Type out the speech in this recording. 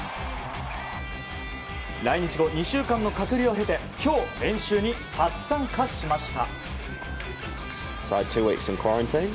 来日後２週間の隔離を経て今日、練習に初参加しました。